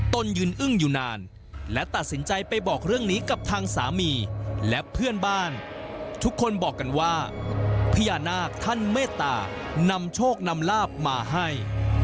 ตนยืนอึ้งอยู่นานและตัดสินใจไปบอกเรื่องนี้กับทางสามีและเพื่อนบ้านทุกคนบอกกันว่าพญานาคท่านเมตตานำโชคนำลาบมาให้